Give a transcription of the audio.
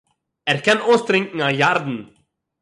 ער קען אויסטרינקען אַ ירדן!